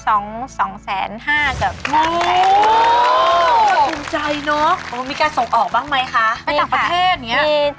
ภูมิใจเนอะมีการส่งออกบ้างไหมคะไปต่างประเทศอย่างนี้